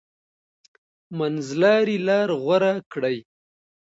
منځلاري لار غوره کړئ.